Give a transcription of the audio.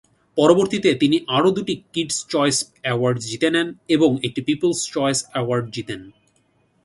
পরবর্তীতে, তিনি আরও দুটি কিডস চয়েস অ্যাওয়ার্ডস জিতে নেন এবং একটি পিপলস চয়েস অ্যাওয়ার্ড জিতেন।